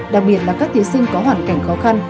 đặc biệt là các thí sinh có hoàn cảnh khó khăn